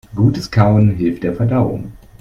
Gutes Kauen hilft der Verdauung.